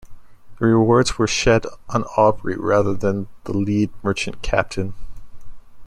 The rewards were shed on Aubrey, rather than the lead merchant captain.